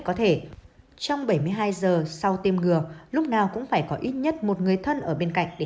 có thể trong bảy mươi hai giờ sau tiêm ngừa lúc nào cũng phải có ít nhất một người thân ở bên cạnh để